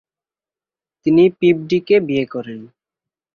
তিনি পিবডিকে বিয়ে করেন।